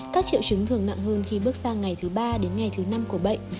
các triệu chứng thường nặng hơn khi bước sang ngày thứ ba đến ngày thứ năm của bệnh